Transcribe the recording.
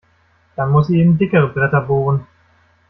Dann muss sie eben dickere Bretter bohren.